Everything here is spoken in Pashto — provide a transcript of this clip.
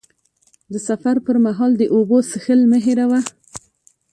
د سفر پر مهال د اوبو څښل مه هېروه.